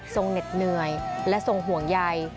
เหน็ดเหนื่อยและทรงห่วงใย